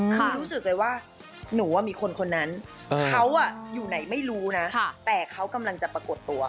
คือรู้สึกเลยว่าหนูมีคนคนนั้นเขาอยู่ไหนไม่รู้นะแต่เขากำลังจะปรากฏตัว